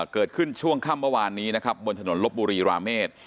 เกิดขึ้นช่วงค่ำเมื่อวานนี้นะครับบนถนนลบบุรีราเมษ